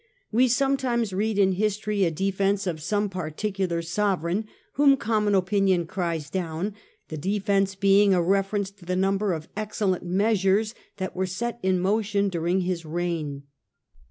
We sometimes read in history a defence of some particular sovereign whom common opinion cries down, the defence being a reference to the number of excellent measures that were set in motion during his reign.